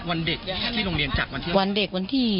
วันเด็กที่โรงเรียนจากวันที่